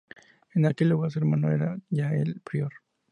En aquel lugar su hermano era ya el prior.